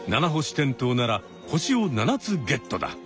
テントウなら星を７つゲットだ！